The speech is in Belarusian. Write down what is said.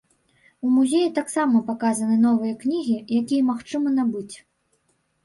У музеі таксама паказаны новыя кнігі, якія магчыма набыць.